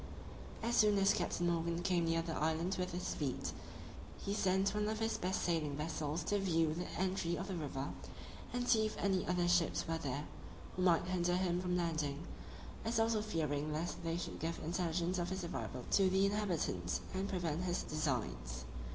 As soon as Captain Morgan came near the island with his fleet, he sent one of his best sailing vessels to view the entry of the river, and see if any other ships were there, who might hinder him from landing; as also fearing lest they should give intelligence of his arrival to the inhabitants, and prevent his designs.